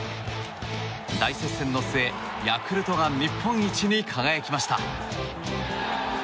大接戦の末、ヤクルトが日本一に輝きました。